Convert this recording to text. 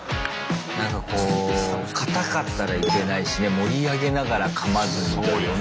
なんかこうかたかったらいけないしね盛り上げながらかまずにというね。